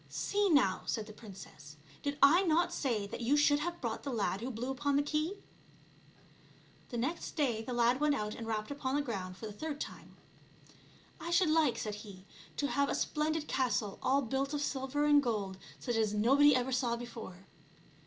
" See now,'* said the princess, " did I not say that you should have brought the lad who blew upon the key?" The next day the lad went out and rapped upon the ground for the third time. '' I should like," said he, '' to have a splendid castle all built of silver and gold, such as nobody ever saw before."